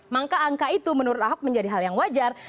maka angka itu menurut ahok menjadi hal yang wajar